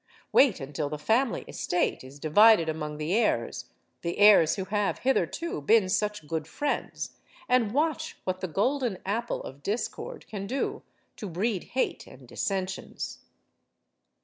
Wait until the family estate is divided among the heirs the heirs who have hitherto been such good friends and watch what the Golden Apple of Discord can do to breed hate and dissensions.